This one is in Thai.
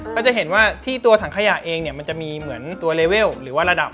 ก็จะเห็นว่าที่ตัวถังขยะเองเนี่ยมันจะมีเหมือนตัวเลเวลหรือว่าระดับ